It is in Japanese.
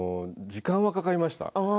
時間がかかりました。